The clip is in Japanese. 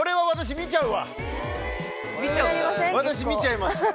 私見ちゃいます。